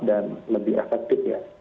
dan lebih efektif ya